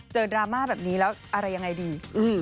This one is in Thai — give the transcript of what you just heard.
ดราม่าแบบนี้แล้วอะไรยังไงดี